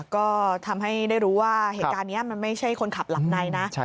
ก็ทำให้ได้รู้ว่าเหตุการณ์นี้มันไม่ใช่คนขับหลับในนะ